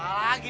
apa lagi sih